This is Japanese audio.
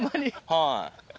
はい。